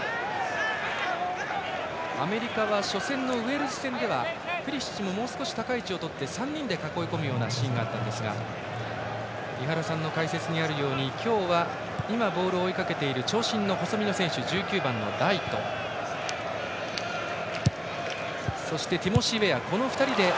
アメリカは初戦のウェールズ戦ではプリシッチももう少し高い位置を取って３人で囲い込むようなシーンがあったんですが井原さんの解説にあるように今日は長身の細身の選手１９番、ライトそして、ティモシー。